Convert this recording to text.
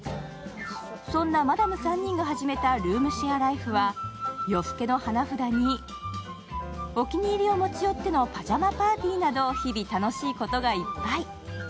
そんなマダム３人が始めたルームシェアライフは夜更けの花札にお気に入りを持ち寄ってのパジャマパーティーなど、日々、楽しいことがいっぱい。